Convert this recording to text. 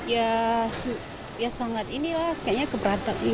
ya ya sangat ini lah kayaknya keberangkatan